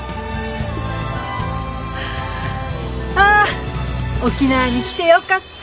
あ沖縄に来てよかった！